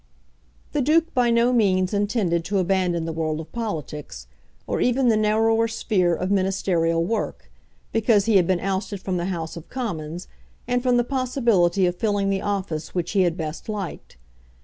The Duke by no means intended to abandon the world of politics, or even the narrower sphere of ministerial work, because he had been ousted from the House of Commons, and from the possibility of filling the office which he had best liked.